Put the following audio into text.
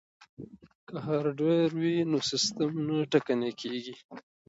که هارډویر وي نو سیستم نه ټکنی کیږي.